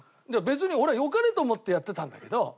別に俺は良かれと思ってやってたんだけど。